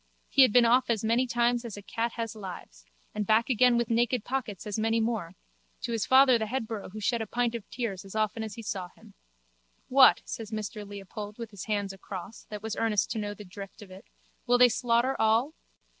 He had been off as many times as a cat has lives and back again with naked pockets as many more to his father the headborough who shed a pint of tears as often as he saw him. What, says Mr Leopold with his hands across, that was earnest to know the drift of it, will they slaughter all?